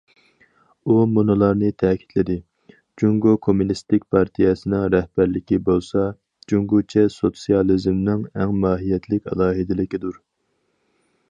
ئۇ مۇنۇلارنى تەكىتلىدى: جۇڭگو كوممۇنىستىك پارتىيەسىنىڭ رەھبەرلىكى بولسا، جۇڭگوچە سوتسىيالىزمنىڭ ئەڭ ماھىيەتلىك ئالاھىدىلىكىدۇر.